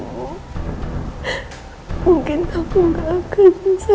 mungkin kamu gak akan susah